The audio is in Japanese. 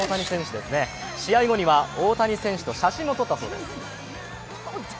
試合後には大谷選手と写真も撮ったそうです。